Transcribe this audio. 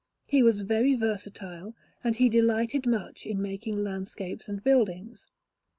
He was very versatile, and he delighted much in making landscapes and buildings.